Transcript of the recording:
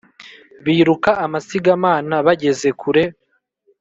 biruka amasigamana bageze kure